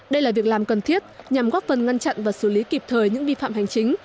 đây là việc làm cần thiết nhằm góp phần ngăn chặn và xử lý kịp thời những vi phạm hành chính